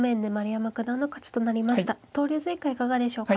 投了図以下いかがでしょうか。